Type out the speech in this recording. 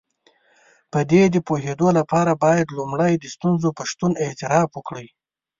په دې د پوهېدو لپاره بايد لومړی د ستونزې په شتون اعتراف وکړئ.